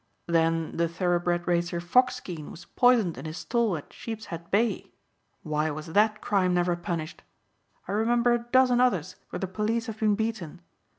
Then the thoroughbred racer Foxkeen was poisoned in his stall at Sheepshead Bay. Why was that crime never punished? I remember a dozen others where the police have been beaten.